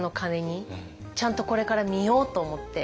ちゃんとこれから見ようと思って。